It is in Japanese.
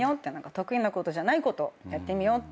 得意なことじゃないことやってみようって。